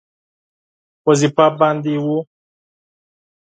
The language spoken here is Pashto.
وظیفه باندې وو.